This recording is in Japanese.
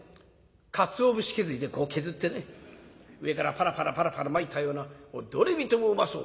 かつお節削りでこう削ってね上からパラパラパラパラまいたようなどれ見てもうまそう。